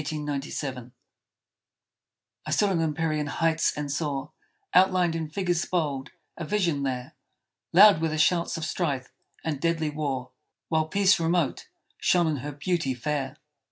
I stood on empyrean heights and saw, Outlined in figures bold, a vision there; Loud were the shouts of strife and deadly war, While Peace, remote, shone in her beauty fair.